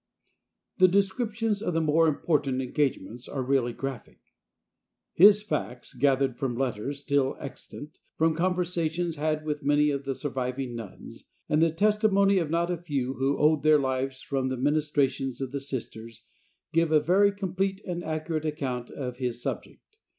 "The Descriptions of the More Important Engagements are Really Graphic." His facts, gathered from letters still extant, from conversations had with many of the surviving nuns, and the testimony of not a few who owed their lives from the ministrations of the Sisters, give a very complete and accurate account of his subject.